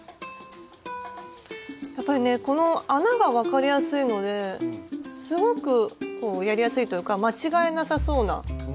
やっぱりねこの穴が分かりやすいのですごくやりやすいというか間違えなさそうな。